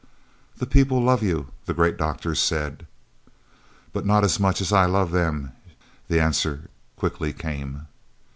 "The people love you," the great doctor said. "But not as much as I love them," the answer quickly came.